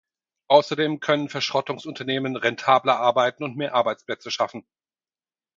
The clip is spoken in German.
Außerdem können Verschrottungsunternehmen rentabler arbeiten und mehr Arbeitsplätze schaffen.